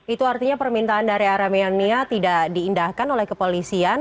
itu artinya permintaan dari arameania tidak diindahkan oleh kepolisian